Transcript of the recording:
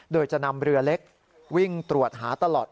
โดยจะนำเรือเล็กวิ่งตรวจหาตลอด